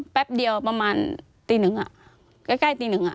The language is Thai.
แป๊บเดียวประมาณตีหนึ่งใกล้ตีหนึ่ง